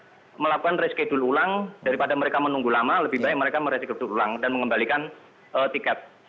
mereka melakukan reschedule ulang daripada mereka menunggu lama lebih baik mereka mereschedu ulang dan mengembalikan tiket